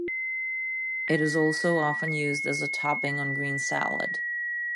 It is also often used as a topping on green salad.